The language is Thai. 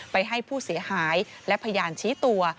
ให้ผู้เสียหายและพยานชี้ตัว